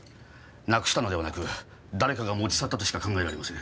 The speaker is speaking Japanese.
なくしたのではなく誰かが持ち去ったとしか考えられません。